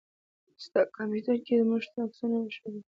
ستا کمپيوټر کې يې موږ ته عکسونه وښودله.